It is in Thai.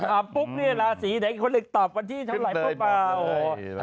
อ่าปึ๊บราศีแถี่คนหนึ่งที่ตอบวันที่เท่าไรพวกเขามา